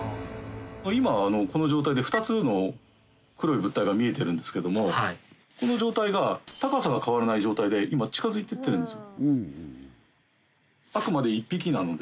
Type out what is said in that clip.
今この状態で２つの黒い物体が見えてるんですけどもこの状態が高さが変わらない状態で今近づいていってるんですよ。